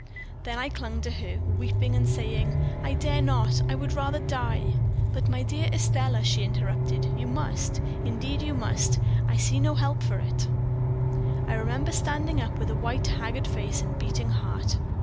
"Then I clung to her, weeping and saying: "'I dare not I would rather die.' "'But, my dear Estelle,' she interrupted, 'you must indeed, you must. I see no help for it.' "I remember standing up with a white, haggard face and beating heart.